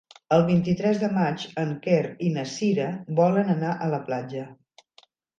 El vint-i-tres de maig en Quer i na Cira volen anar a la platja.